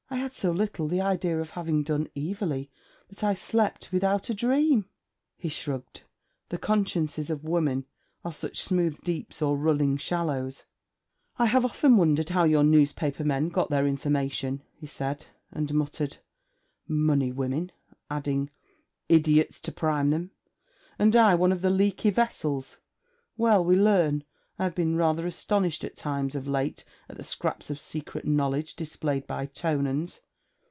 'I had so little the idea of having done evilly, that I slept without a dream.' He shrugged: the consciences of women are such smooth deeps, or running shallows. 'I have often wondered how your newspaper men got their information,' he said, and muttered: 'Money women!' adding: 'Idiots to prime them! And I one of the leaky vessels! Well, we learn. I have been rather astonished at times of late at the scraps of secret knowledge displayed by Tonans.